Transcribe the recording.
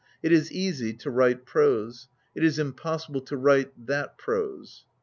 It is easy to write prose ; it is impossible to write that prose.